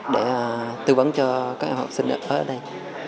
để tư vấn cho các học sinh ở đây